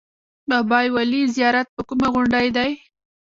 بابای ولي زیارت په کومه غونډۍ دی؟